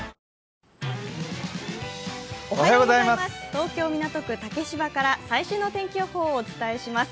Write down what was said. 東京・港区竹芝から最新の天気予報をお伝えします。